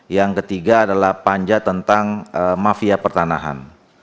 yang ketiga adalah panja tentang mafia pertanahan